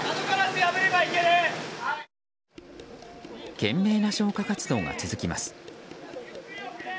懸命な消火活動が続きます。